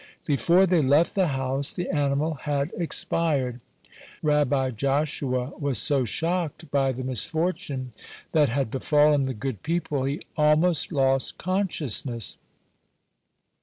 Before they left the house, the animal had expired. Rabbi Joshua was so shocked by the misfortune that had befallen the good people, he almost lost consciousness.